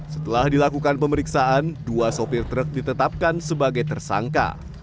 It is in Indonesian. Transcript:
setelah dilakukan pemeriksaan dua sopir truk ditetapkan sebagai tersangka